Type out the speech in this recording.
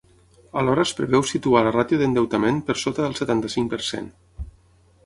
Alhora es preveu situar la ràtio d’endeutament per sota del setanta-cinc per cent.